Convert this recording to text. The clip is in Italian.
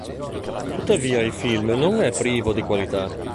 Tuttavia il film non è privo di qualità.